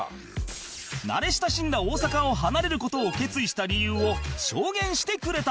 慣れ親しんだ大阪を離れる事を決意した理由を証言してくれた